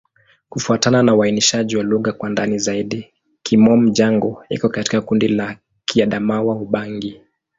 Kufuatana na uainishaji wa lugha kwa ndani zaidi, Kimom-Jango iko katika kundi la Kiadamawa-Ubangi.